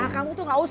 kamu tuh gak usah